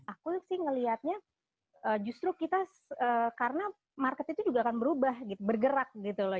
aku sih ngelihatnya justru kita karena market itu juga akan berubah gitu bergerak gitu loh